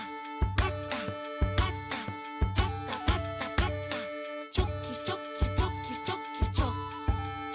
「パタパタパタパタパタ」「チョキチョキチョキチョキチョキ」